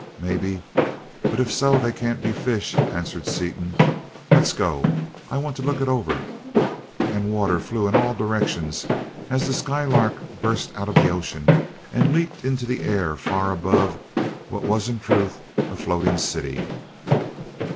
"Maybe but if so they can't be fish," answered Seaton. "Let's go I want to look it over," and water flew in all directions as the Skylark burst out of the ocean and leaped into the air far above what was in truth a floating city.